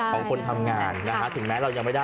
ของคนทำงานนะฮะถึงแม้เรายังไม่ได้